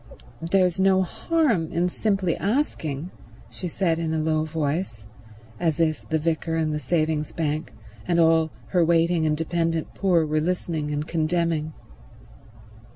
"There's no harm in simply asking," she said in a low voice, as if the vicar and the Savings Bank and all her waiting and dependent poor were listening and condemning.